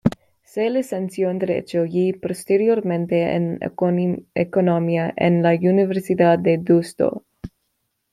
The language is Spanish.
Se licenció en Derecho y posteriormente en economía en la Universidad de Deusto.